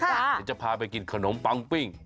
เดี๋ยวจะพาไปกินขนมปังปิ้ง